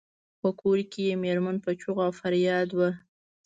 په کور کې یې میرمن په چیغو او فریاد وه.